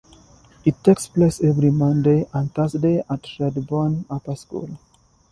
It takes place every Monday and Thursday at Redborne Upper School.